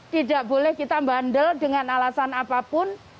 tidak boleh kita bandel dengan alasan apapun